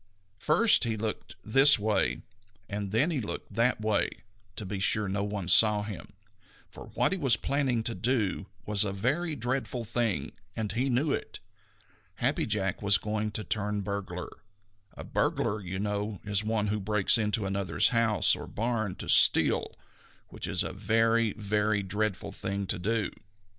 First he looked this way, and then he looked that way, to be sure that no one saw him, for what he was planning to do was a very dreadful thing, and he knew it. Happy Jack was going to turn burglar. A burglar, you know, is one who breaks into another's house or barn to steal, which is a very, very dreadful thing to do.